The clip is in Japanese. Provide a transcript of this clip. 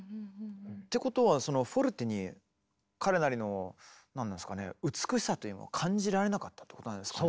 てことはそのフォルテに彼なりの何ですかね美しさというのを感じられなかったってことなんですかね。